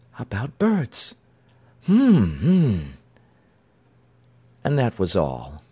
"About birds." "Hm—hm!" And that was all.